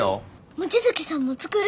望月さんも作る？